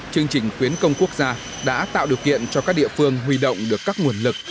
chương trình khuyến công quốc gia đã tạo điều kiện cho các địa phương huy động được các nguồn lực